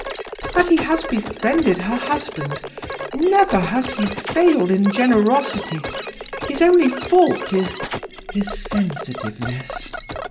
" But he has befriended her husband. Never has he failed in generosity. His only fault is "" His sensitiveness.